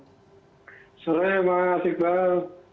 selamat sore mas iqbal